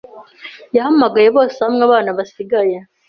yahamagaye bose hamwe Abana basigaye